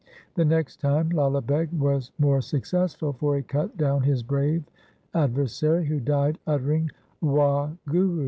The next time Lala Beg was more successful, for he cut down his brave adversary, who died uttering Wahguru.